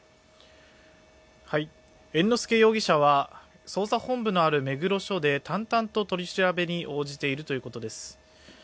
猿之助容疑者は捜査本部のある目黒署で淡々と取り調べに応じているということです。